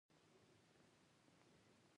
له لاسه یې نه کېږي یا پرې برلاسۍ نه دی.